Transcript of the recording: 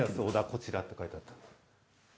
こちらって書いてあった。